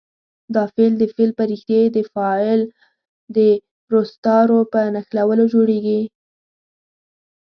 دا فعل د فعل په ریښې د فاعل د روستارو په نښلولو جوړیږي.